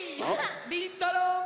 りんたろうも！